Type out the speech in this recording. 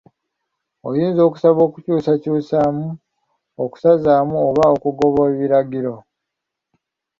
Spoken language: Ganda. Oyinza okusaba okukyusaamu, okusazaamu oba okugoba ebiragiro?